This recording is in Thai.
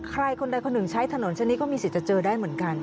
ใครคนใดคนหนึ่งใช้ถนนเช่นนี้ก็มีสิทธิ์จะเจอได้เหมือนกัน